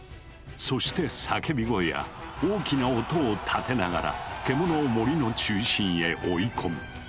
そして叫び声や大きな音を立てながら獣を森の中心へ追い込む。